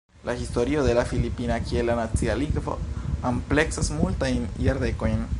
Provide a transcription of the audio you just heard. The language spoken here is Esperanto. La historio de la Filipina kiel la nacia lingvo ampleksas multajn jardekojn.